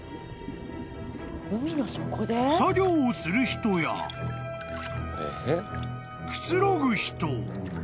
［作業をする人やくつろぐ人］